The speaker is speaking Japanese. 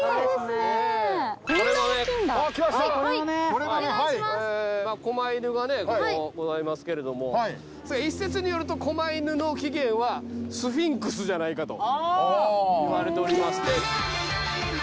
こま犬がねございますけれども一説によるとこま犬の起源はスフィンクスじゃないかといわれておりまして。